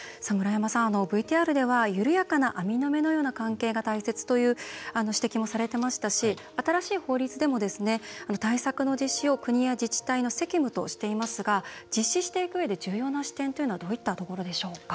ＶＴＲでは緩やかな網の目のような関係が大切という指摘もされていましたし新しい法律でも対策の実施を国や自治体の責務としていますが実施していくうえで重要な視点というのはどういったところでしょうか。